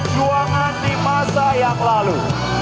juangan di masa yang lalu